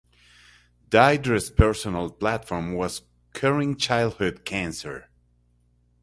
Diedre's personal platform was Curing Childhood Cancer.